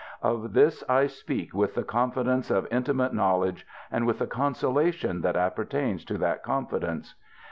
ŌĆö Of this I speak with the confidence of intimate knowledge, and with the consolation that appertains to that con fidence.